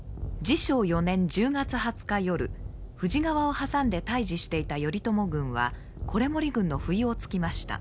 治承４年１０月２０日夜富士川を挟んで対じしていた頼朝軍は維盛軍の不意をつきました。